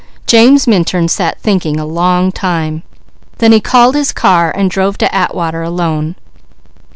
James Minturn sat thinking a long time, then called his car and drove to Atwater alone.